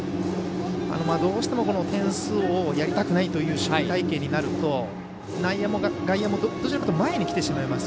どうしても点数をやりたくないという守備隊形になると内野も外野も前にきてしまいます。